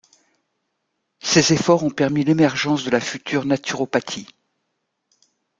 Ses efforts ont permis l'émergence de la future naturopathie.